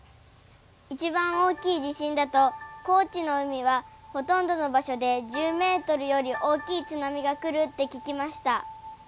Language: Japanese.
一番大きい地震だと高知の海はほとんどの場所で１０ｍより大きい津波が来るって聞きました。